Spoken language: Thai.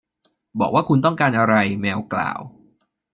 บอกว่าคุณต้องการอะไร แมวกล่าว